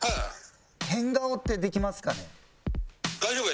変顔ってできますかね？